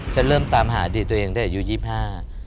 ฉันเริ่มตามหาอดีตตัวเองตั้งแต่อายุ๒๕